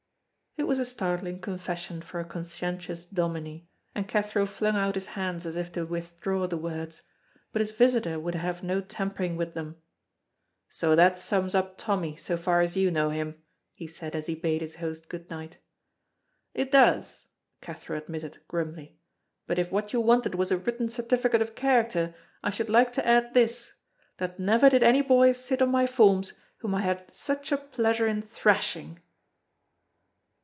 It was a startling confession for a conscientious dominie, and Cathro flung out his hands as if to withdraw the words, but his visitor would have no tampering with them. "So that sums up Tommy, so far as you know him," he said as he bade his host good night. "It does," Cathro admitted, grimly, "but if what you wanted was a written certificate of character I should like to add this, that never did any boy sit on my forms whom I had such a pleasure in thrashing."